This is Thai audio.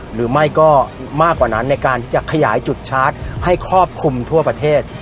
หรือไม่ก็มากกว่านั้นในการที่จะขยายจุดชาร์จให้ครอบคลุมทั่วประเทศ